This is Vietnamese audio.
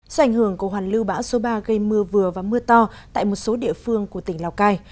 do ảnh hưởng của hoàn lưu bão số ba gây mưa vừa và mưa to tại một số địa phương của tỉnh lào cai